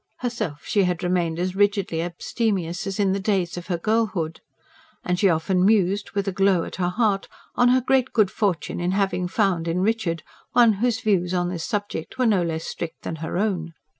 Herself she had remained as rigidly abstemious as in the days of her girlhood. And she often mused, with a glow at her heart, on her great good fortune in having found in Richard one whose views on this subject were no less strict than her own.